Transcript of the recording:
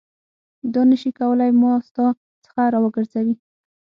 دا نه شي کولای ما ستا څخه راوګرځوي.